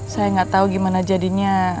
saya gak tau gimana jadinya